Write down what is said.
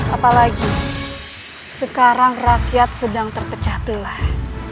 apalagi sekarang rakyat sedang terpecah belah